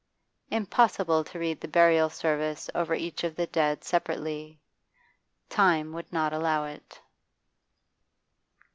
Impossible to read the burial service over each of the dead separately; time would not allow it.